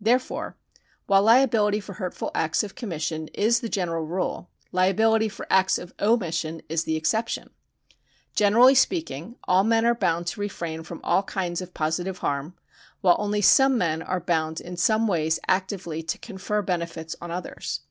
Therefore while liability for hurtful acts of commission is the general rule, liability for acts of omission is the exception. Generally speaking, all men are bound to refrain from all kinds of positive harm, while only some men are bound in some ways actively to confer benefits on others.